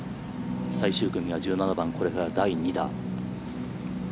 最終組は１７番これから第２打。